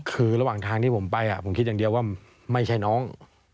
คือระหว่างทางที่ผมไปผมคิดอย่างเดียวว่าไม่ใช่น้อง